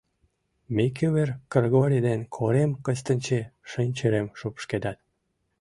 Микывыр Кргори ден Корем Кыстинчи шинчырым шупшкедат.